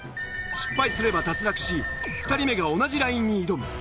失敗すれば脱落し２人目が同じラインに挑む。